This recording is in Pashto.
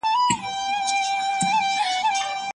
شيطان او پلويانو ئې د هر نبي او رسول سره دښمني کړې ده.